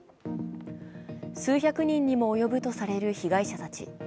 数百人にも及ぶとされる被害者たち。